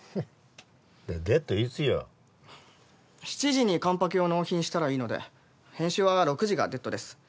７時に完パケを納品したらいいので編集は６時がデッドです。